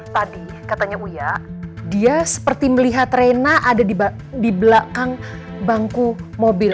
tadi katanya uya dia seperti melihat reina ada di belakang bangku mobil